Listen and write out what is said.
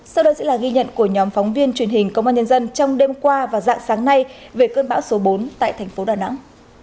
sau đây sẽ là ghi nhận của nhóm phóng viên truyền hình công an nhân dân trong đêm qua và dạng sáng nay về cơn bão số bốn tại thành phố đà nẵng